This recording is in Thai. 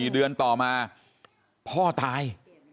๔เดือนต่อมาพ่อตาย